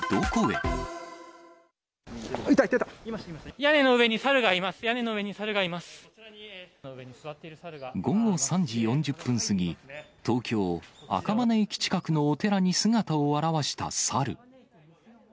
屋根の上に猿がいます、午後３時４０分過ぎ、東京・赤羽駅近くのお寺に姿を現した猿。